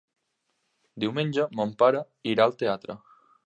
Diumenge mon pare irà al teatre.